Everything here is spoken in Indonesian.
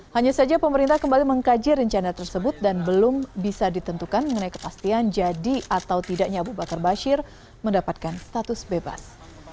hanya saja pemerintah kembali mengkaji rencana tersebut dan belum bisa ditentukan mengenai kepastian jadi atau tidaknya abu bakar bashir mendapatkan status bebas